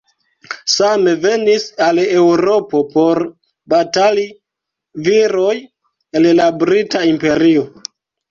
Same venis al Eŭropo por batali viroj el la Brita Imperio.